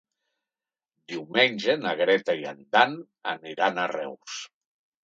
Diumenge na Greta i en Dan aniran a Reus.